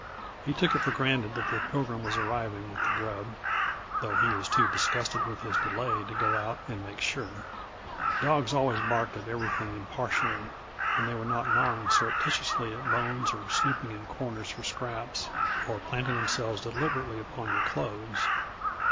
He took it for granted that the Pilgrim was arriving with the grub, though he was too disgusted with his delay to go out and make sure. Dogs always barked at everything impartially when they were not gnawing surreptitiously at bones or snooping in corners for scraps, or planting themselves deliberately upon your clothes.